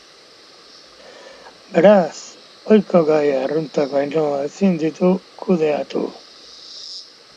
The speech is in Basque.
Beraz, ohiko gai arruntak baino ezin ditu kudeatu.